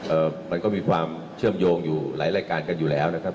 มันก็มีความเชื่อมโยงอยู่หลายรายการกันอยู่แล้วนะครับ